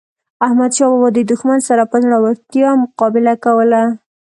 احمد شاه بابا د دښمن سره په زړورتیا مقابله کوله.